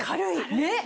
ねっ！